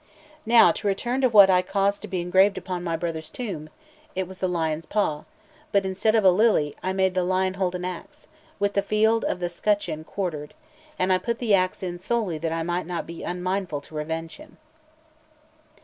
Now to return to what I caused to be engraved upon my brother's tomb: it was the lion's paw, but instead of a lily, I made the lion hold an axe, with the field of the scutcheon quartered; and I put the axe in solely that I might not be unmindful to revenge him.